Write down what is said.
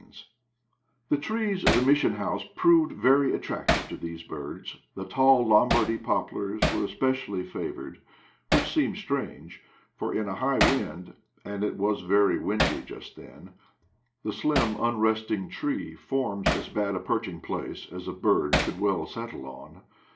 31 32 IDLE DATS IN PATAGONIA The trees of the Mission House proved very attractive to these* birds ; theJftU Lombairdy pop lars were specially favored, which seems strange, for in a high wind (and it was very windy just then) the slim unresting tree forms as bad a perching place as a bird could well settle on.